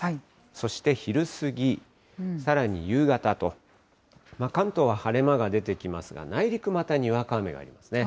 そして昼過ぎ、さらに夕方と、関東は晴れ間が出てきますが、内陸、またにわか雨がありますね。